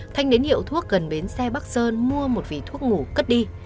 thanh đến hiệu thuốc gần bến xe bắc sơn mua một vỉ thuốc ngủ cất đi